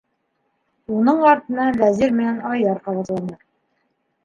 Уның артынан Вәзир менән Айҙар ҡабатланы: